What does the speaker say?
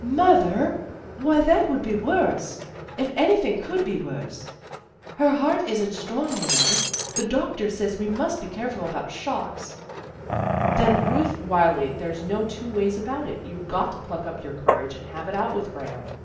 " Mother! Why, that would be worse, if anything could be worse. Her heart isn't strong, you know. The doctor says we must be careful about shocks " Then, Ruth Wylie, there's no two ways about it. You've got to pluck up your courage and have it out with Graham."